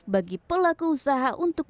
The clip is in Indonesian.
bagi pelaku usaha untuk